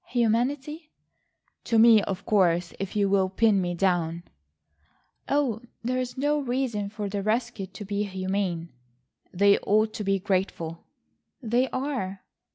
"Humanity?" "To me, of course, if you will pin me down." "Oh, there is no reason for the rescued to be humane." "They ought to be grateful." "They are."